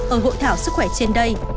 ở hội thảo sức khỏe trên đây